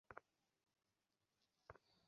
আসল কথা এই-আমার আমেরিকা-যাত্রা ধর্ম-মহাসভার জন্য নয়।